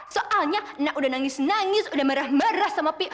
soalnya nak udah nangis nangis udah marah marah sama pi